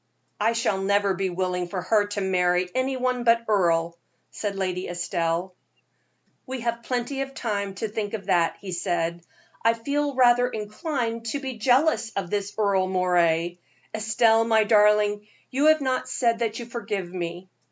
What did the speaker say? "I shall never be willing for her to marry any one but Earle," said Lady Estelle. "We have plenty of time to think of that," he said. "I feel rather inclined to be jealous of this Earle Moray. Estelle, my darling, you have not said that you forgive me."